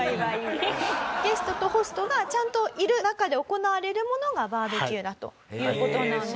ゲストとホストがちゃんといる中で行われるものがバーベキューだという事なんです。